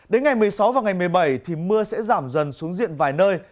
đến ngày một mươi sáu và ngày một mươi bảy thì mưa sẽ giảm dần xuống diện vài nơi